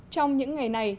trong những ngày này